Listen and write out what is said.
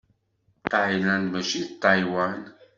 Ṭayland mačči d Ṭaywan.